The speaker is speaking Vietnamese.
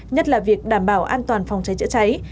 nhất là việc đảm bảo an toàn phòng cháy chữa cháy